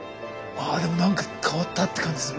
ああでもなんか変わったって感じする。